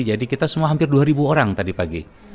jadi kita semua hampir dua ribu orang tadi pagi